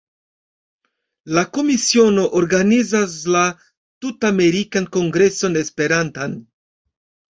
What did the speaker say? La Komisiono organizas la Tut-Amerikan Kongreson Esperantan.